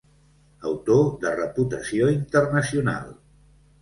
Autor de reputació internacional.